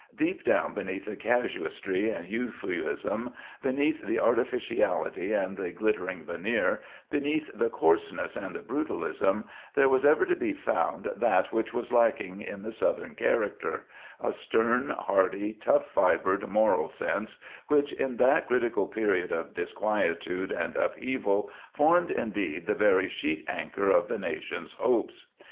Deep down beneath the casuistry and Euphuism, beneath the artificiality and the glittering veneer, beneath the coarseness and the brutalism, there was ever to be found that which was lacking in the Southern character—a stern, hardy, tough fibred moral sense, which in that critical period of disquietude and upheaval formed indeed the very sheet anchor of the nation's hopes.